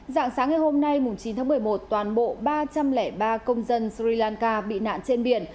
dạng sáng ngày hôm nay chín tháng một mươi một toàn bộ ba trăm linh ba công dân sri lanka bị nạn trên biển